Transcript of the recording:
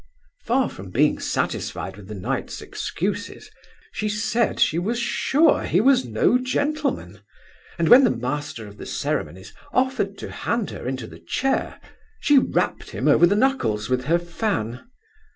Far from being satisfied with the Knight's excuses, she said she was sure he was no gentleman; and when the Master of the Ceremonies offered to hand her into the chair, she rapped him over the knuckles with her fan.